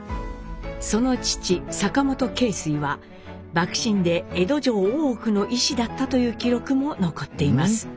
その父坂本敬水は幕臣で江戸城大奥の医師だったという記録も残っています。